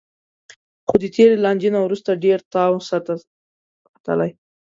خو د تېرې لانجې نه وروسته ډېر تاو سرته ختلی